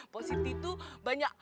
posisi itu banyak